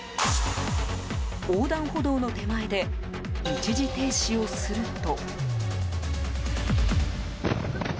横断歩道の手前で一時停止をすると。